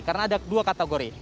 karena ada dua kategori